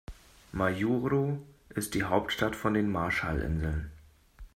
Majuro ist die Hauptstadt von den Marshallinseln.